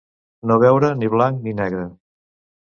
No veure ni blanc ni negre.